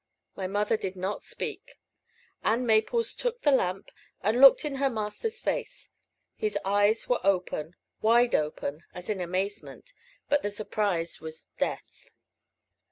My mother did not speak. Ann Maples took the lamp, and looked in her master's face. His eyes were open, wide open as in amazement, but the surprise was death.